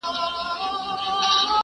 زه بايد مينه وښيم؟!